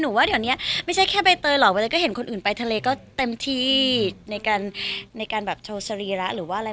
ว่าเดี๋ยวนี้ไม่ใช่แค่ใบเตยหรอกเวลาก็เห็นคนอื่นไปทะเลก็เต็มที่ในการในการแบบโชว์สรีระหรือว่าอะไร